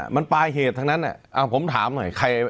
มันปลายเหตุทั้งนั้นผมถามหน่อย